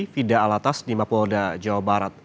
fida alatas di mapolda jawa barat